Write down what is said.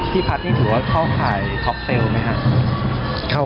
พัฒน์นี่ถือว่าเข้าข่ายท็อกเซลล์ไหมครับ